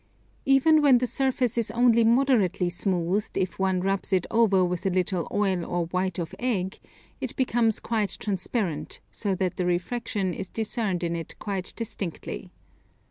Even when the surface is only moderately smoothed, if one rubs it over with a little oil or white of egg, it becomes quite transparent, so that the refraction is discerned in it quite distinctly.